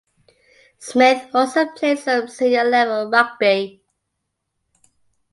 Smith also played some senior-level rugby.